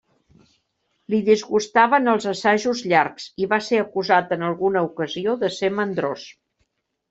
Li disgustaven els assajos llargs i va ser acusat en alguna ocasió de ser mandrós.